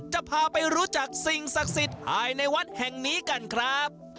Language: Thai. จะพาไปรู้จักสิ่งศักดิ์สิทธิ์ภายในวัดแห่งนี้กันครับ